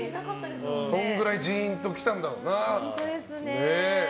それぐらいジーンときたんだろうな。